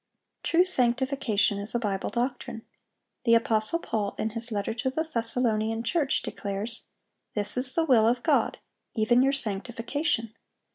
True sanctification is a Bible doctrine. The apostle Paul, in his letter to the Thessalonian church, declares, "This is the will of God, even your sanctification."